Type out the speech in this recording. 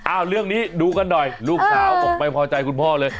เรื่องนี้ดูกันหน่อยลูกสาวบอกไม่พอใจคุณพ่อเลย